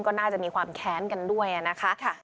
ก็น่าจะมีความแค้นกันด้วยนะคะ